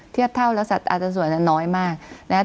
เทียบเท่าแล้วสัตว์อาจจะส่วนน้อยมากนะครับ